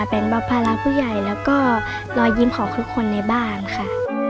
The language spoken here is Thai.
เป็นแบบภาระผู้ใหญ่แล้วก็รอยยิ้มของทุกคนในบ้านค่ะ